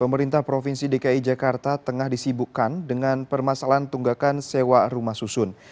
pemerintah provinsi dki jakarta tengah disibukkan dengan permasalahan tunggakan sewa rumah susun